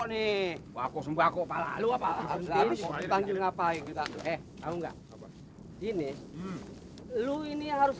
nih wako sembako pala lu apa apa ini tanggung apa yang kita eh kamu enggak ini lu ini harus